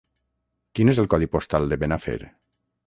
Quin és el codi postal de Benafer?